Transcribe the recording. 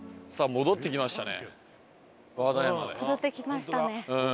戻ってきましたね。